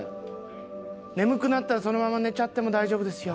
眠くなったらそのまま寝ちゃっても大丈夫ですよ。